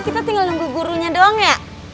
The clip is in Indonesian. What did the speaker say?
kita tinggal nunggu gurunya doang ya